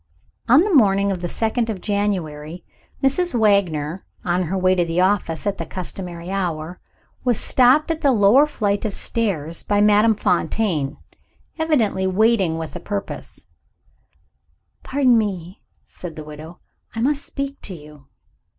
On the morning of the second of January, Mrs. Wagner (on her way to the office at the customary hour) was stopped at the lower flight of stairs by Madame Fontaine evidently waiting with a purpose. "Pardon me," said the widow, "I must speak to you."